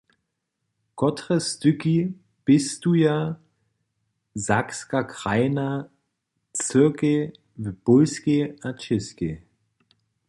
Kotre styki pěstuje sakska krajna cyrkej w Pólskej a Čěskej?